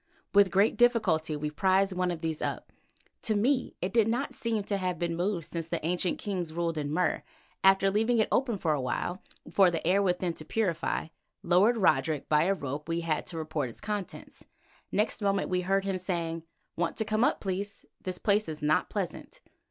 With great difficulty we prised one of these up; to me it did not seem to have been moved since the ancient kings ruled in Mur and, after leaving it open for a long while for the air within to purify, lowered Roderick by a rope we had to report its contents. Next moment we heard him saying: "Want to come up, please. This place is not pleasant."